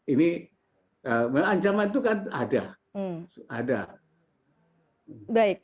ini ancaman itu kan ada